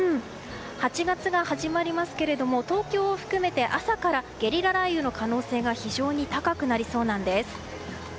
８月から始まりますけども東京を含めて朝からゲリラ雷雨の可能性が非常に高くなりそうなんです。